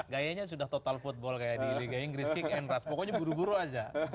gayanya sudah total football kayak di liga inggris kick and rush pokoknya buru buru aja